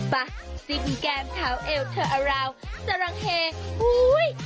บ๊ะซีบิ้งแก้มเท้าเอวเธออาราวจรังเฮฮู้ย